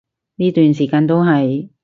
呢段時間都係